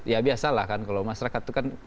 ya biasalah kan kalau masyarakat itu kan